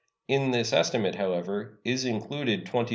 In this estimate, however, is included $22,338,278.